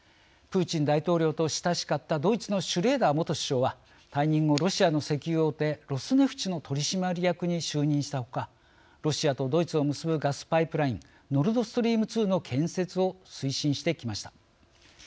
プーチン大統領と親しかったドイツのシュレーダー元首相は退任後、ロシアの石油大手ロスネフチの取締役に就任したほかロシアとドイツを結ぶガスパイプラインノルドストリーム２の建設を推進してきました。